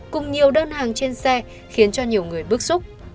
cùng nhiều đơn hàng trên xe khiến cho nhiều người bức xúc